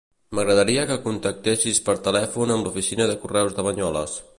M'agradaria que contactessis per telèfon amb l'oficina de correus de Banyoles.